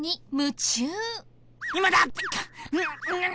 今だ！